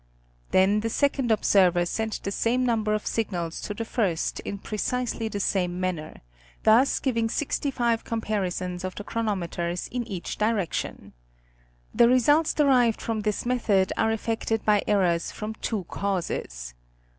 Then the second observer sent the same number of sig nals to the first in precisely the same manner, thus giving sixty five comparisons of the chronometers in each direction. The results derived from this method are affected by errors from two causes.